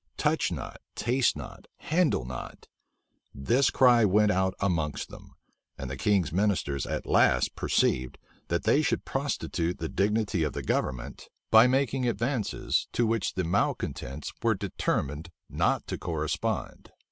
"Touch not, taste not, handle not;" this cry went out amongst them: and the king's ministers at last perceived, that they should prostitute the dignity of government, by making advances, to which the malecontents were determined not to correspond.